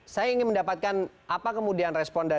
saya ingin mendapatkan apa kemudian responnya